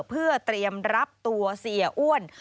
เพื่อเตรียมรับตัวเสียอ้วน